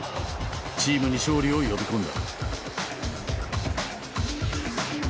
チームに勝利を呼び込んだ。